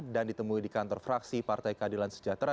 dan ditemui di kantor fraksi partai keadilan sejahtera